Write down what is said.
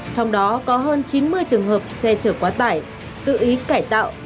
trong đó có hơn chín mươi trường hợp xe chở quá tải tự ý cải tạo